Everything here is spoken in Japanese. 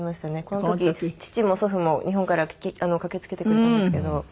この時父も祖父も日本から駆けつけてくれたんですけど。